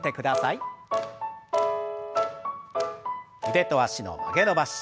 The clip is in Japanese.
腕と脚の曲げ伸ばし。